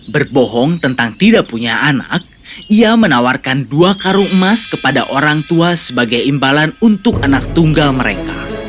berbohong tentang tidak punya anak ia menawarkan dua karung emas kepada orang tua sebagai imbalan untuk anak tunggal mereka